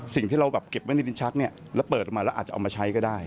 สิ่งที่เราแบบเก็บไว้ในดินชักเนี่ยแล้วเปิดออกมาแล้วอาจจะเอามาใช้ก็ได้